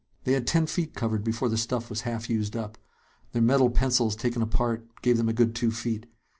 They had ten feet covered before the stuff was half used up. Their metal pencils, taken apart, gave them a good two feet.